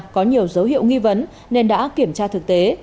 có nhiều dấu hiệu nghi vấn nên đã kiểm tra thực tế